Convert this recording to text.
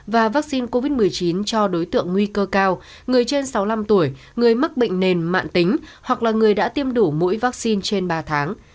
và vaccine covid một mươi chín cho đối tượng nguy cơ cao người trên sáu mươi năm tuổi người mắc bệnh nền mạng tính hoặc là người đã tiêm đủ mũi vaccine trên ba tháng